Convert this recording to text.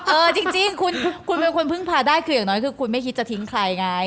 เออจริงคุณเป็นคนพึ่งพาได้คืออย่างน้อยคือคุณไม่คิดจะทิ้งใครไง